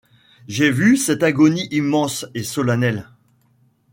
J’ai vu cette agonie immense et solennelle ;